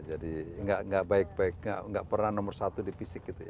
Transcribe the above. jadi nggak baik baik nggak pernah nomor satu di fisik gitu ya